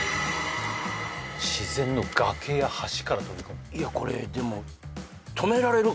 「自然の崖や橋から飛び込む」